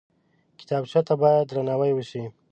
کتابچه ته باید درناوی وشي